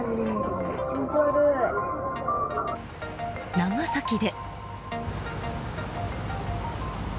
長崎で。